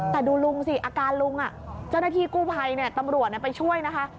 แต่ดูลุงสิอาการลุงเจ้าหน้าที่กู้ภัยตำรวจไปช่วยนะคะ